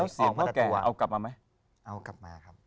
แล้วเสียงความแก่เอากลับมาไหม